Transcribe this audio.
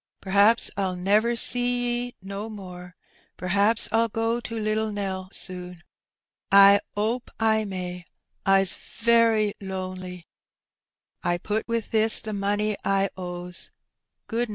PVaps PU never, see 'e no more, pVaps FU go to littel Nel soon. I 'ope I may, I's very lon ly. I put with this the money I ow's. Good nite.